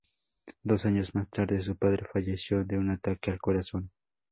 Dos años más tarde su padre falleció de un ataque al corazón.